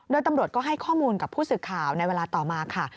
โดยตำรวจก็ให้ข้อมูลกับผู้สื่อข่าวในเวลาต่อมาค่ะ